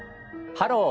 「ハロー！